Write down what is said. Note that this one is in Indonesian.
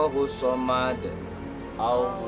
kau sudah menyadarkan anakku